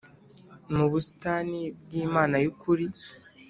mu busitani bw Imana y ukuri